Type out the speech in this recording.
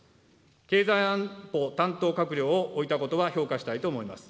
経済安保担当閣僚を置いたことは評価したいと思います。